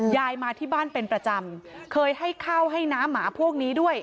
ยายมาที่บ้านเป็นประจำเคยให้ข้าวให้น้ำหมาพวกนี้ด้วย